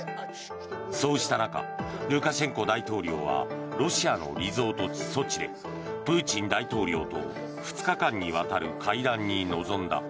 そうした中ルカシェンコ大統領はロシアのリゾート地、ソチでプーチン大統領と２日間にわたる会談に臨んだ。